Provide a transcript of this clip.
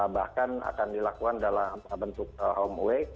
bahkan akan dilakukan dalam bentuk home away